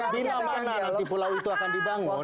bila mana nanti pulau itu akan dibangun